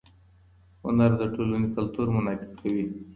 هنر د ټولنې کلتور منعکس کوي.